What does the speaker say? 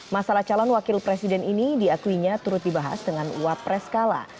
masalah calon wakil presiden ini diakuinya turut dibahas dengan wapres kala